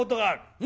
うん。